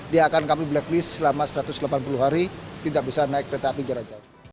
dia akan kami blacklist selama satu ratus delapan puluh hari tidak bisa naik kereta api jarak jauh